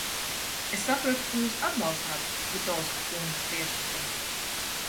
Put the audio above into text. Es sapratu, ka jūs atbalstāt Budovska kunga priekšlikumu.